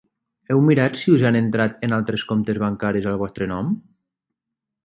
Heu mirat si us han entrat en altres comptes bancaris al vostre nom?